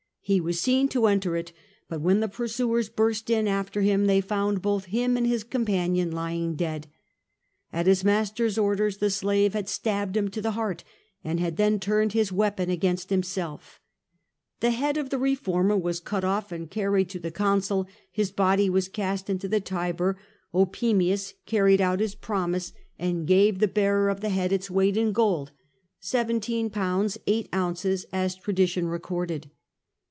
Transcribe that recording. He was seen to enter it, but when the pursuers burst in after Mm, they found both Mm and his companion lying dead. At his master's orders the slave had stabbed him to the heart, and had then turned his weapon against himself. The head of the reformer was cut off and car ried to the Consul : his body was cast into the Tiber Opimius carried out Ms promise, and gave the bearer of 1 Some call him Philocrates, others Eupoim 86 CAIUS GRACCHUS the head its weight in gold — seventeen pounds eight ounces, as tradition recorded.